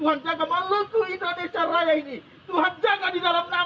tuhan nyatakan kemuliaanmu tolong warga negara kami